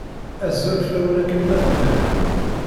Azul fell-awen akken ma tellam.